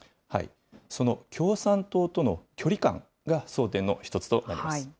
その共産党との距離感が争点の一つとなります。